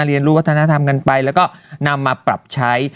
เรียนรู้วัฒนธรรมกันไปแล้วก็นำมาปรับใช้